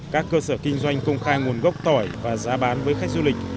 các cơ sở kinh doanh công khai nguồn gốc tỏi và giá bán với khách du lịch